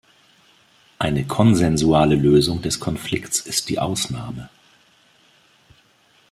Eine konsensuale Lösung des Konflikts ist die Ausnahme.